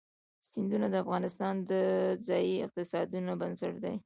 سیندونه د افغانستان د ځایي اقتصادونو بنسټ دی.